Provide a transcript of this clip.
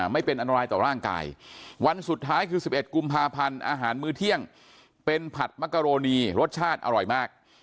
ไม่เป็นอันตรายต่อร่างกายวันสุดท้ายคือ๑๑กุมภาพันธ์อาหารมื้อเที่ยงเป็นผัดมักกะโรนีรสชาติอร่อยมาก